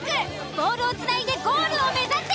ボールをつないでゴールを目指せ！